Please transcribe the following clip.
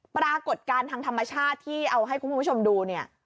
ปรากฏการณ์ทางธรรมชาติที่เอาให้คุณผู้ชมดูเนี่ย